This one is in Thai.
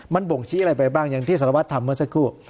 มันบ่งชี้อะไรไปบ้างอย่างที่สารวัตรทำเมื่อสักครู่